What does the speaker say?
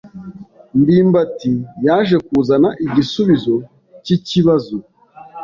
ndimbati yaje kuzana igisubizo cyikibazo.